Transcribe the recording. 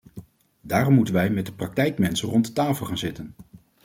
Daarom moeten wij met de praktijkmensen rond de tafel gaan zitten.